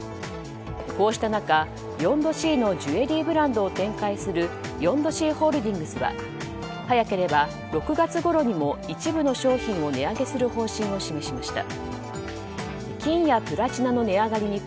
こうした中、４℃のジュエリーブランドを展開するヨンドシーホールディングスは早ければ６月ごろにも一部の商品を値上げする方針を示しました。